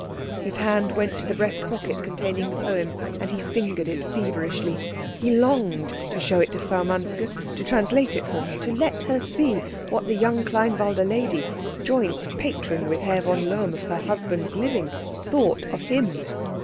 His hand went to the breast pocket containing the poem, and he fingered it feverishly. He longed to show it to Frau Manske, to translate it for her, to let her see what the young Kleinwalde lady, joint patron with Herr von Lohm of her husband's living, thought of him.